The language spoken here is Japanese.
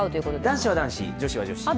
男子は男子、女子は女子。